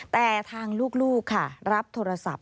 แต่ทางลูกค่ะรับโทรศัพท์